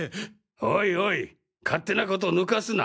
おいおい勝手な事ぬかすな！